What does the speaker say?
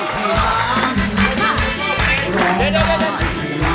เดี๋ยวเดี๋ยวเดี๋ยว